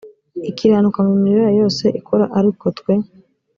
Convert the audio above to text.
ikiranuka mu mirimo yayo yose ikora ariko twe